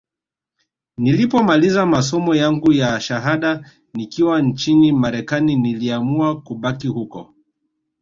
Nilipomaliza masomo yangu ya shahada nikiwa nchini Marekani niliamua kubaki huko